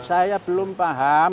saya belum paham